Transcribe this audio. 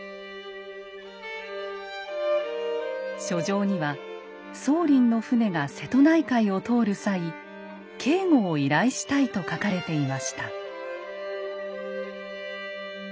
書状には宗麟の船が瀬戸内海を通る際警護を依頼したいと書かれていました。